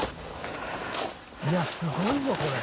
「いやすごいぞこれ」